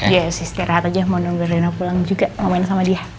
iya istirahat aja mau nunggu rina pulang juga mau main sama dia